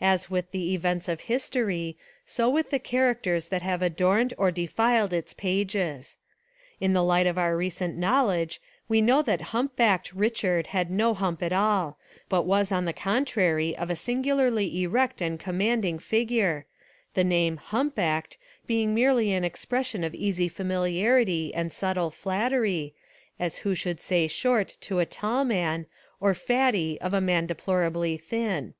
As with the events of history so with the characters that have adorned or defiled its pages. In the light of our recent knowledge we know that Hump backed Rich ard had no hump at all, but was on the contrary of a singularly erect and commanding figure, the name "hump backed" being merely an expres sion of easy familiarity and subtle flattery, as who should say "short" to a tall man, or "fatty" of a man deplorably thin.